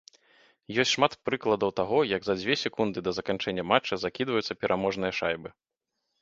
Ёсць шмат прыкладаў таго, як за дзве секунды да заканчэння матча закідваюцца пераможныя шайбы.